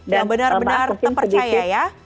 benar benar terpercaya ya